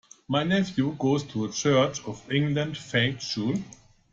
My nephew goes to a Church of England faith school